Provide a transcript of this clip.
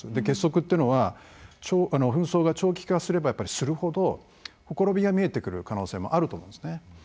結束っていうのは紛争が長期化すればするほどほころびが見えてくる可能性もあると思うんですね。